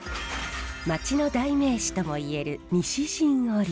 町の代名詞ともいえる西陣織。